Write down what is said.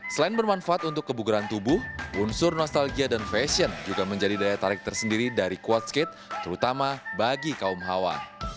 selain bermanfaat untuk kebugaran tubuh unsur nostalgia dan fashion juga menjadi daya tarik tersendiri dari quad skate terutama bagi kaum hawa